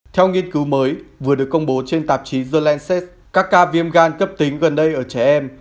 theo nghiên cứu mới vừa được công bố trên tạp chí zelenset các ca viêm gan cấp tính gần đây ở trẻ em